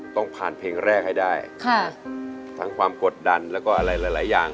ต้องผ่านเพลงแรกให้ได้ค่ะทั้งความกดดันแล้วก็อะไรหลายหลายอย่าง